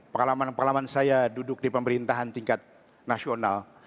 pengalaman pengalaman saya duduk di pemerintahan tingkat nasional